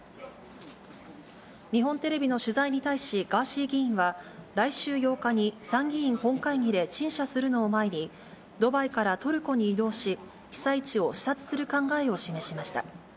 日本テレビの取材に対し、ガーシー議員は、来週８日に参議院本会議で陳謝するのを前に、ドバイからトルコに移動し、被災地を視察する考えを示しました。